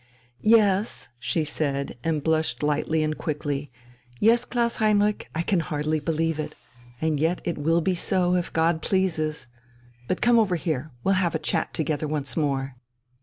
"Yes," she said and blushed lightly and quickly, "yes, Klaus Heinrich, I can hardly believe it. And yet it will be so, if God pleases. But come over here. We'll have a chat together once more...."